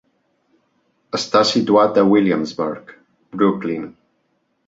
Està situat a Williamsburg, Brooklyn.